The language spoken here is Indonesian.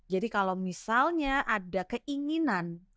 jadi kalau misalnya ada keinginan